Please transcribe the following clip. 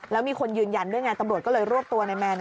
แล้วมีคนยืนยันด้วยไงตำรวจก็เลยรวบตัวในแมน